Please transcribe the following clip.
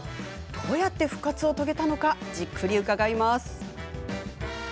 どうやって復活を遂げたのかじっくり伺います。